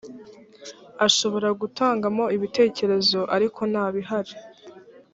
ashobora gutangamo ibitekerezo ariko nta bihari